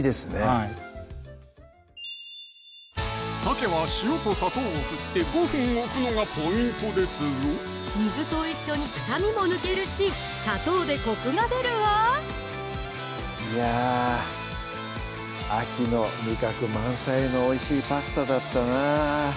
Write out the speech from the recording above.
はいさけは塩と砂糖をふって５分おくのがポイントですぞ水と一緒に臭みも抜けるし砂糖でコクが出るわいや秋の味覚満載のおいしいパスタだったなぁ